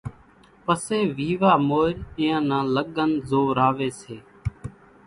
پسيَ ويوا مورِ اينيان نان لڳنَ زوراويَ سي۔